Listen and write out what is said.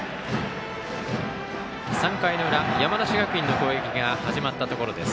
３回の裏、山梨学院の攻撃が始まったところです。